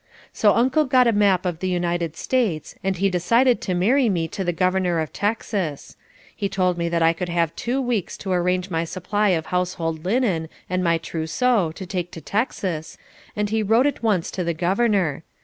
So Uncle got a map of the United States and he decided to marry me to the Governor of Texas. He told me that I could have two weeks to arrange my supply of household linen and my trousseau to take to Texas, and he wrote at once to the Governor.